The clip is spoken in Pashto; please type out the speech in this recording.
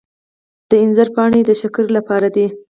د انځر پاڼې د شکر لپاره دي.